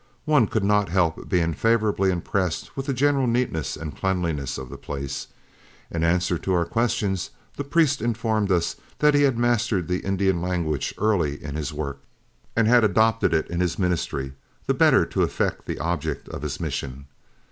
One could not help being favorably impressed with the general neatness and cleanliness of the place. In answer to our questions, the priest informed us that he had mastered the Indian language early in his work, and had adopted it in his ministry, the better to effect the object of his mission.